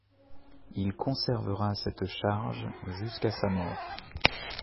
Il conservera cette charge jusqu'à sa mort.